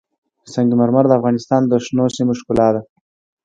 سنگ مرمر د افغانستان د شنو سیمو ښکلا ده.